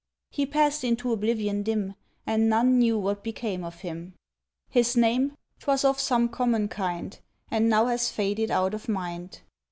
"He passed into oblivion dim, And none knew what became of him! "His name? 'Twas of some common kind And now has faded out of mind."